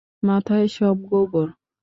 মাথায় সব গোবর!